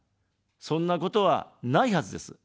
そんなことはないはずです。